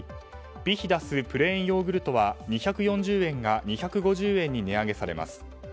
ビヒダスプレーンヨーグルトは２４０円が２５０円に値上げされます。